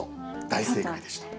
大正解でした。